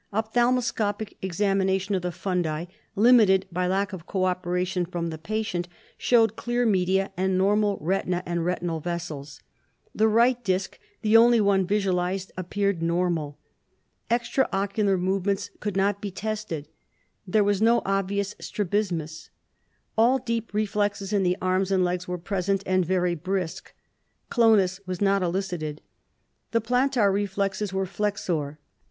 Ophthalmoscopic examination of the fundi, limited by lack of cooperation from the patient, showed clear media and normal retina and retinal vessels. The right disc, the only one visualized, appeared normal. Extra ocular movements could not be tested; there was no obvious strabismus. All deep reflexes in the arms and legs were present and very brisk. Clonus was not elicited. The plantar reflexes were flexor.